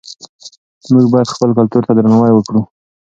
موږ باید خپل کلتور ته درناوی وکړو.